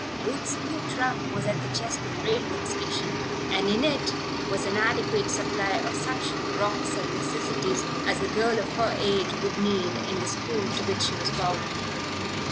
Ruth's new trunk was at the Cheslow railroad station and in it was an adequate supply of such frocks and necessities as a girl of her age would need in the school to which she was bound.